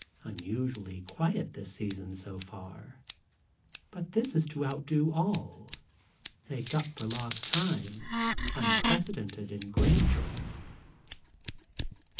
Unusually quiet this season so far, but this is to outdo all, make up for lost time, unprecedented in grandeur.